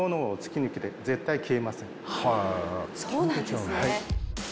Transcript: はっそうなんですね